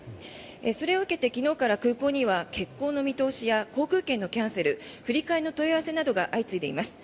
それを受けて昨日から空港には欠航の見通しや航空券のキャンセル振り替えの問い合わせが相次いでいます。